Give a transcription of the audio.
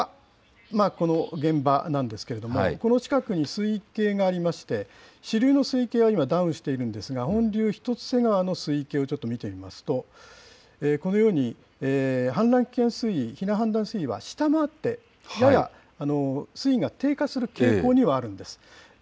ここがこの現場なんですけれども、この近くに水位計がありまして、支流の水系は今、ダウンしているんですが、本流、一ツ瀬川の支流をちょっと見てみますと、このように氾濫危険水位、下回って、やや水位が低下する傾向にはあるんです。